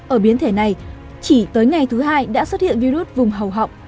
ở biến thể này chỉ tới ngày thứ hai đã xuất hiện virus vùng hầu họng